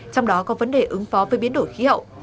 trong đó có vấn đề ứng phó với biến đổi khí hậu